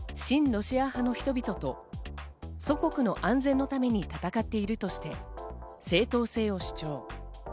ロシア派の人々と祖国の安全のために戦っているとして、正当性を主張。